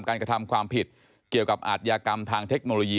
กระทำความผิดเกี่ยวกับอาทยากรรมทางเทคโนโลยี